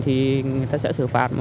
thì người ta sẽ xử phạt